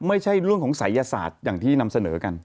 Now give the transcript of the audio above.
ไม่ใช่เรื่องของศัยศาสตร์อย่างที่นำเสนอกัน